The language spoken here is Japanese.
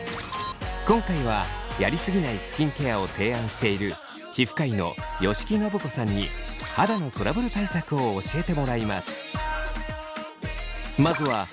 今回はやりすぎないスキンケアを提案している皮膚科医の吉木伸子さんに肌のトラブル対策を教えてもらいます。